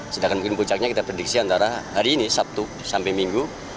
sedangkan mungkin puncaknya kita prediksi antara hari ini sabtu sampai minggu